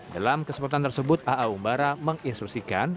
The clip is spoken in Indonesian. dalam kesempatan tersebut a a umbara menginstrusikan